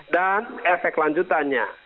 dan efek lanjutannya